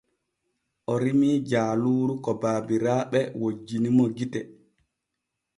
O rimii jaaluuru ko baabiraaɓe wojjini mo gite.